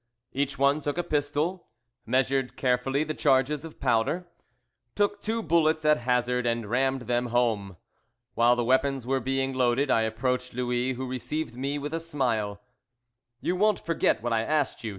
Each one took a pistol, measured carefully the charges of powder, took two bullets at hazard, and rammed them home. While the weapons were being loaded, I approached Louis, who received me with a smile. "You won't forget what I asked you?"